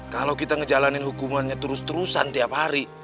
kalau kita ngejalanin hukumannya terus terusan tiap hari